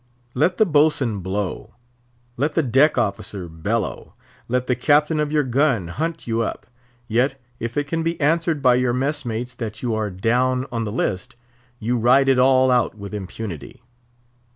Let the boatswain blow; let the deck officer bellow; let the captain of your gun hunt you up; yet, if it can be answered by your mess mates that you are "down on the list," you ride it all out with impunity.